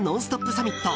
サミット。